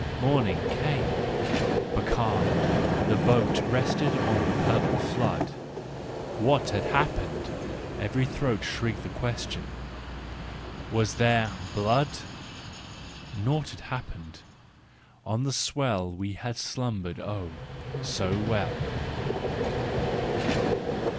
Morning came: becalmed, the boat Rested on the purple flood: " What had happened ?" every throat Shrieked the question :" was there— Blood?" Naught had happened ! On the swell We had slumbered, oh, so well!